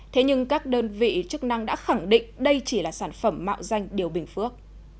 thế nhưng các đơn vị chức năng đã khẳng định đây chỉ là sản phẩm mạo danh điều bình phước